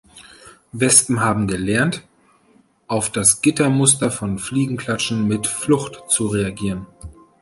Wespen haben gelernt, auf das Gittermuster von Fliegenklatschen mit Flucht zu reagieren.